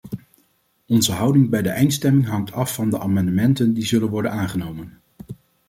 Onze houding bij de eindstemming hangt af van de amendementen die zullen worden aangenomen.